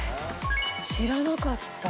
知らなかった。